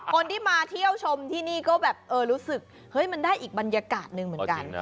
คนที่มาเที่ยวชมที่นี่ก็แบบเออรู้สึกเฮ้ยมันได้อีกบรรยากาศหนึ่งเหมือนกัน